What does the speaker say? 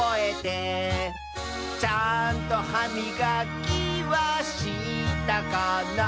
「ちゃんとはみがきはしたかな」